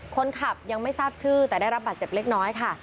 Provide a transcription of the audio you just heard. คนขับยังไม่ทราบชื่อแต่ได้รับบาดเจ็บเล็กน้อยค่ะ